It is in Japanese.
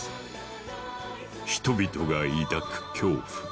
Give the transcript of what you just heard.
人々が抱く恐怖。